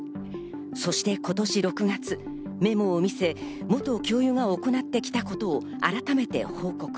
そして今年６月、メモを見せ、元教諭が行ってきたことを改めて報告。